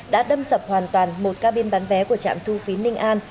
đã đâm sập hoàn toàn một cabin bán vé của trạm thu phí ninh an